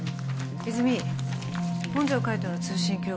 泉本条海斗の通信記録